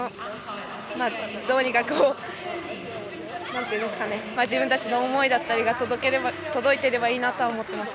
どうにか自分たちの思いだとかが届いていればいいなと思います。